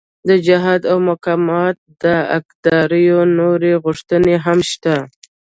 د جهاد او مقاومت د حقدارو نورې غوښتنې هم شته.